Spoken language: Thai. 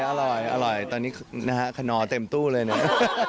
ทำทำตลอดอร่อยตอนนี้คน๊อเต็มตู้เลยเนี่ย